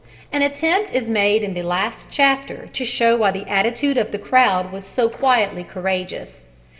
An attempt is made in the last chapter to show why the attitude of the crowd was so quietly courageous.